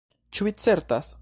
"Ĉu vi certas?"